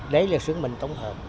đây là sứ mệnh tổng hợp